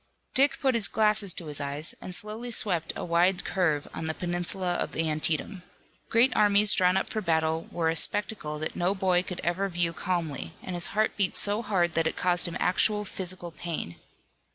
Dick put his glasses to his eyes, and slowly swept a wide curve on the peninsula of Antietam. Great armies drawn up for battle were a spectacle that no boy could ever view calmly, and his heart beat so hard that it caused him actual physical pain.